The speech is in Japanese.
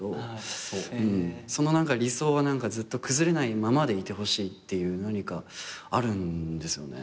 理想はずっと崩れないままでいてほしいっていう何かあるんですよね。